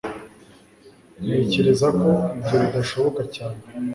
ntekereza ko ibyo bidashoboka cyane